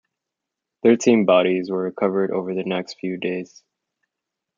Thirteen bodies were recovered over the next few days.